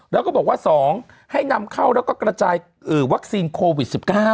แล้วก็บอกว่า๒ให้นำเข้าแล้วก็กระจายวัคซีนโควิด๑๙